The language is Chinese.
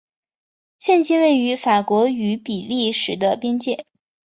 现今位于法国与比利时的边界。